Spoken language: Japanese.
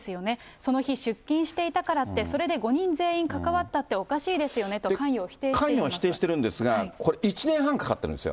その日、出勤していたからって、それで５人全員関わったっておかしいですよねと関与を否定してい関与を否定しているんですが、１年半かかってるんですよ。